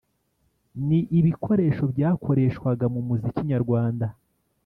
Ni ibikoresho byakoreshwagwa mu muziki nyarwanda